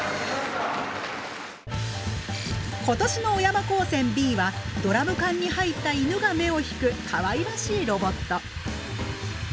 今年の小山高専Ｂはドラム缶に入った犬が目を引くかわいらしいロボット。